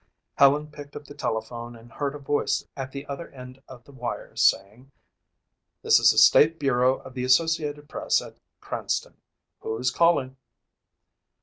Helen picked up the telephone and heard a voice at the other end of the wire saying, "This is the state bureau of the Associated Press at Cranston. Who's calling?"